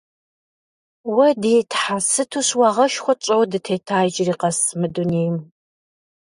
Уа, ди Тхьэ, сыту щыуагъэшхуэ тщӀэуэ дытета иджыри къэс мы дунейм!